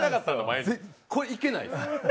これ、行けないです。